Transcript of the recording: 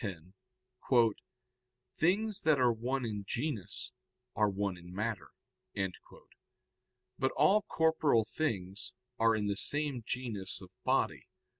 10): "Things that are one in genus are one in matter." But all corporeal things are in the same genus of body.